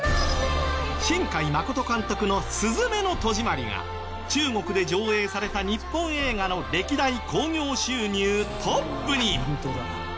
新海誠監督の『すずめの戸締まり』が中国で上映された日本映画の歴代興行収入トップに。